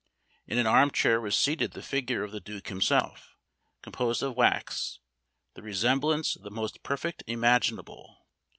In an arm chair was seated the figure of the duke himself, composed of wax, the resemblance the most perfect imaginable.